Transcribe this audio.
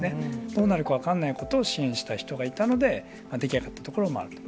どうなるか分からないことを支援した人がいたので、出来上がったところもある。